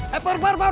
begitu desain bikin